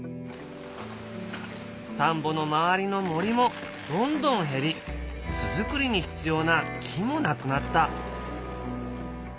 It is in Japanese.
田んぼの周りの森もどんどん減り巣作りに必要な木もなくなった。